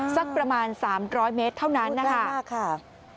สักประมาณ๓๐๐เมตรเท่านั้นนะคะมากค่ะ